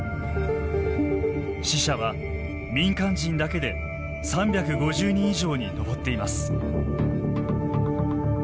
死者は民間人だけで３５０人以上に上っています。